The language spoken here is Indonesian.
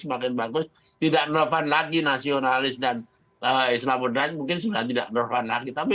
semakin bagus tidak lemah lagi nationalis dan m here wolax mungkin sudah tidak berhadrat ramai